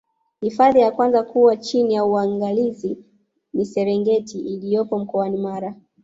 hifadhi ya kwanza kuwa chini ya uangalizi ni serengeti iliyopo mkoani mara